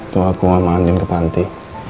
tuh aku sama andi berpanti